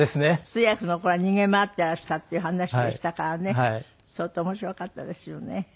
通訳の頃は逃げ回っていらしたっていう話でしたからね相当面白かったですよね。